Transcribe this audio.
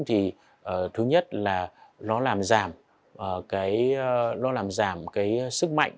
thứ nhất là nó làm giảm sức mạnh